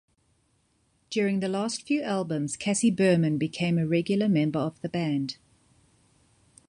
During the last few albums, Cassie Berman became a regular member of the band.